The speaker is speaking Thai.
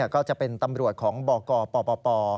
ก็จะเป็นตำรวจของบกปป